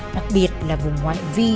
đặc biệt là vùng ngoại vi